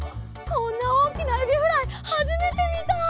こんなおおきなエビフライはじめてみた！